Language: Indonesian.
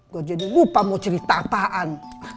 kok jadi lupa mau cerita apaan